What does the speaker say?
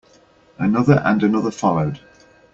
Another and another followed.